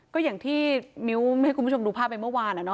ก็อย่างที่มิ้วให้คุณผู้ชมดูภาพไปเมื่อวาน